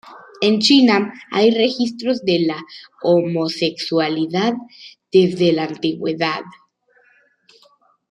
En China hay registros de la homosexualidad desde la antigüedad.